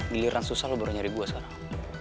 giliran susah baru nyari gue sekarang